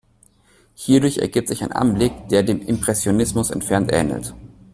Hierdurch ergibt sich ein Anblick, der dem Impressionismus entfernt ähnelt.